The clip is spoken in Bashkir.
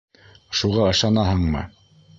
Шуға ышанаһыңмы?